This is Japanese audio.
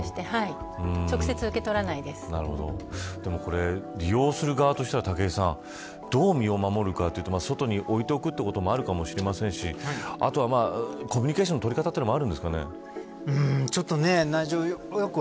私はもう、外に置いてもらうようにしてますね徹底してでも、これ利用する側としては武井さんどう身を守るかというと外に置いておくということもあるかもしれませんしコミュニケーションの取り方もあるんですかね。